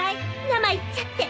ナマ言っちゃって！